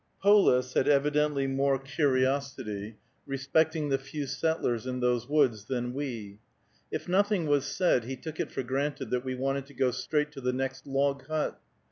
Polis had evidently more curiosity respecting the few settlers in those woods than we. If nothing was said, he took it for granted that we wanted to go straight to the next log hut.